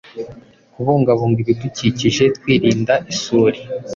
Kubungabunga ibidukikije twirinda isuri